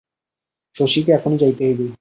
শশীকে এখনি যাইতে হইবে।